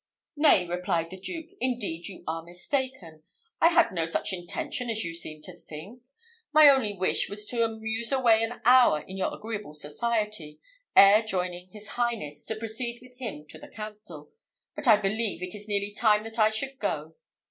"Nay," replied the Duke, "indeed you are mistaken. I had no such intention as you seem to think. My only wish was to amuse away an hour in your agreeable society, ere joining his highness, to proceed with him to the council: but I believe it is nearly time that I should go."